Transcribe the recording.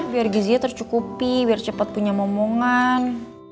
biar gizinya tercukupi biar cepat punya omongan